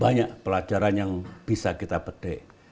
banyak pelajaran yang bisa kita pedek